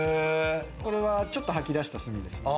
これはちょっと吐き出した墨ですね。